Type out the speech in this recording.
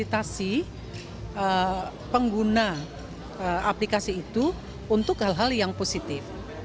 fasilitasi pengguna aplikasi itu untuk hal hal yang positif